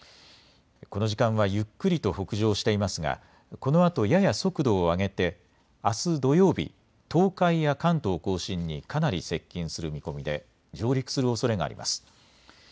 この時間はゆっくりと北上していますがこのあとやや速度を上げて、あす土曜日、東海や関東甲信にかなり接近する見込みで上陸するおそれがあります。